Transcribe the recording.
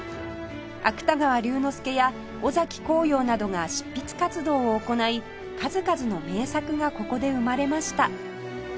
芥川龍之介や尾崎紅葉などが執筆活動を行い数々の名作がここで生まれました